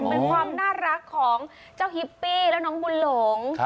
เป็นความน่ารักของเจ้าฮิปปี้แล้วน้องบุญหลง